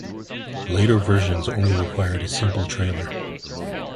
Later versions only required a simple trailer.